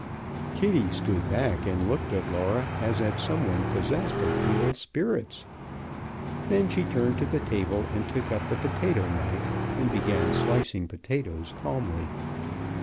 Kitty stood back and looked at Laura as at some one possessed of evil spirits. Then she turned to the table and took up the potato knife and began slicing potatoes calmly.